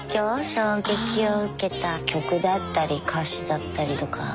衝撃を受けた曲だったり歌詞だったりとか。